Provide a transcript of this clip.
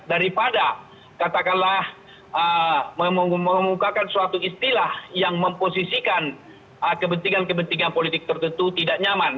daripada katakanlah mengemukakan suatu istilah yang memposisikan kepentingan kepentingan politik tertentu tidak nyaman